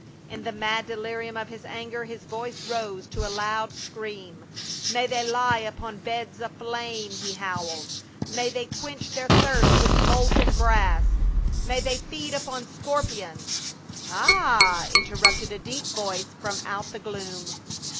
In the mad delirium of his anger his voice rose to a loud scream. " May they lie upon beds of flame !" he howled. " May they quench their thirst with molten brass ! May they feed upon scorpions !"" Ay !" interrupted a deep voice from out the gloom.